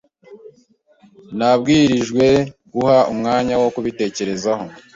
Nabwirijwe guha umwanya wo kubitekerezaho.